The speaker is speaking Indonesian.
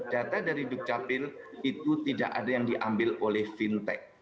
data dari dukcapil itu tidak ada yang diambil oleh fintech